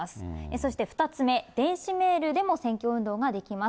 そして２つ目、電子メールでも選挙運動ができます。